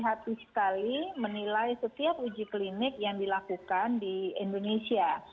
hati sekali menilai setiap uji klinik yang dilakukan di indonesia